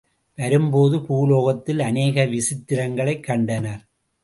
வரும்போது பூலோகத்தில் அநேக விசித்திரங்களைக் கண்டனர்.